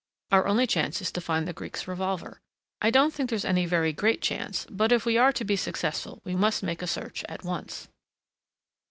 Our only chance is to find the Greek's revolver I don't think there's any very great chance, but if we are to be successful we must make a search at once."